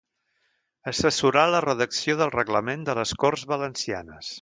Assessorà la redacció del reglament de les Corts Valencianes.